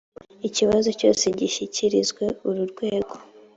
ikibazo cyose gishikirizwe uru rwego